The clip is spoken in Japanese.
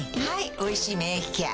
「おいしい免疫ケア」